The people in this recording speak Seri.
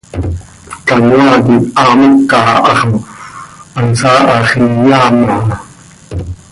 Canoaa quih haa moca ha xo hansaa hax inyaam áa.